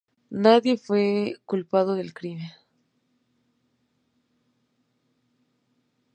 Nadie fue culpado del crimen.